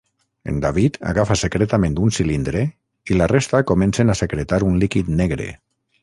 En David agafa secretament un cilindre, i la resta comencen a secretar un líquid negre.